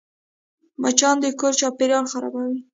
مچان د کور چاپېریال خرابوي